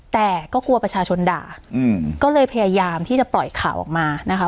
แต่ก็กลัวประชาชนด่าอืมก็เลยพยายามที่จะปล่อยข่าวออกมานะคะ